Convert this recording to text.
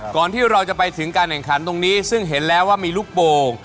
ที่เราจะไปถึงการแข่งขันตรงนี้ซึ่งเห็นแล้วว่ามีลูกโป่ง